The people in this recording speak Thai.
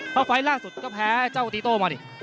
เพราะไฟล์ล่าสุดก็แพ้เจ้าตีโต้มาดิ